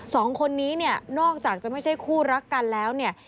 สองคนนี้เนี่ยนอกจากจะไม่ใช่คู่รักกันแล้วเนี่ย